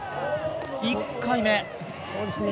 １回目。